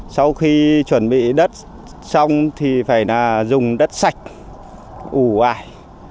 sau khi chuẩn bị đất xong thì phải dùng đất sạch ủ ải